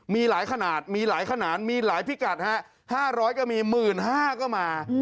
มีหลายขนาดมีหลายขนานมีหลายพิกัดห้าร้อยก็มีหมื่นห้าก็มา